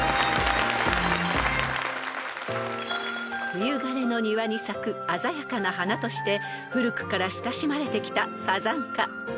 ［冬枯れの庭に咲く鮮やかな花として古くから親しまれてきた］